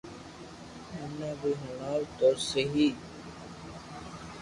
مني بي ھڻاو تو سھي